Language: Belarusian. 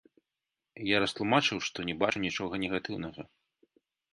Я растлумачыў, што не бачу нічога негатыўнага.